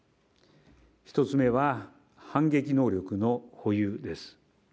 １つ目は、反撃能力の保有です。